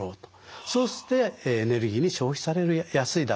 そしてエネルギーに消費されやすいだろうと。